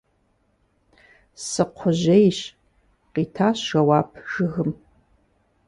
– Сыкхъужьейщ! – къитащ жэуап жыгым.